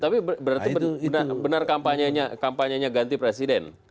tapi berarti benar kampanyenya ganti presiden